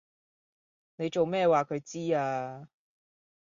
你做咩話佢知呀